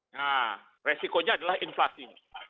nah resikonya adalah inflasi